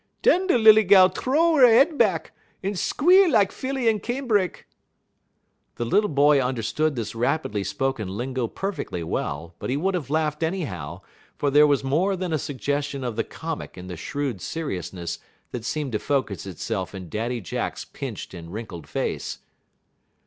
Dun da' lilly gal t'row 'e head back; 'e squeal lak filly in canebrake." The little boy understood this rapidly spoken lingo perfectly well, but he would have laughed anyhow, for there was more than a suggestion of the comic in the shrewd seriousness that seemed to focus itself in Daddy Jack's pinched and wrinkled face.